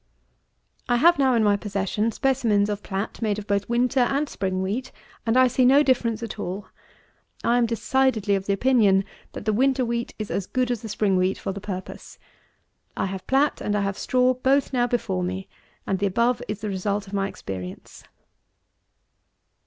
I have now in my possession specimens of plat made of both winter and spring wheat, and I see no difference at all. I am decidedly of opinion that the winter wheat is as good as the spring wheat for the purpose. I have plat, and I have straw both now before me, and the above is the result of my experience.